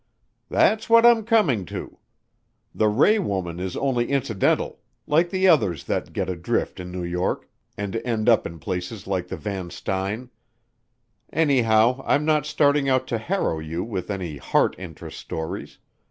"That's what I'm coming to. The Ray woman is only incidental like others that get adrift in New York and end up in places like the Van Styne. Anyhow I'm not starting out to harrow you with any heart interest stories....